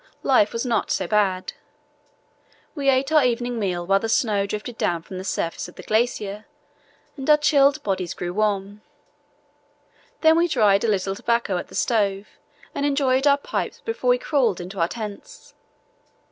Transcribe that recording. Life was not so bad. We ate our evening meal while the snow drifted down from the surface of the glacier, and our chilled bodies grew warm. Then we dried a little tobacco at the stove and enjoyed our pipes before we crawled into our tents.